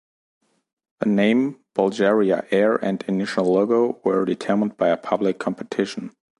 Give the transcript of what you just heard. The name "Bulgaria Air" and initial logo were determined by a public competition.